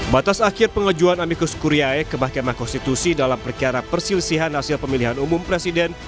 batas akhir pengajuan amicus curiae ke mahkamah konstitusi dalam perkara persilsihan hasil pemilihan umum presiden